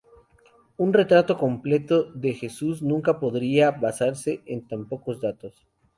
Un retrato completo de Jesús nunca podría basarse en tan pocos datos.